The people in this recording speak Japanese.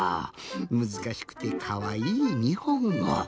むずかしくてかわいいにほんご。